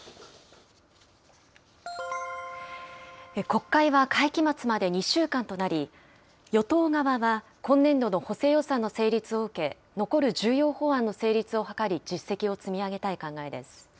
国会は会期末まで２週間となり、与党側は、今年度の補正予算の成立を受け、残る重要法案の成立を図り実績を積み上げたい考えです。